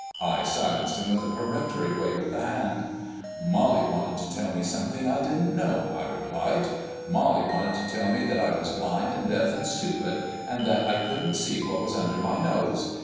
I silenced him with a peremptory wave of the hand. "Molly wanted to tell me something I didn't know," I replied. "Molly wanted to tell me that I was blind and deaf and stupid, and that I couldn't see what was under my nose.